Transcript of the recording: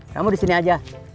kamu di sini aja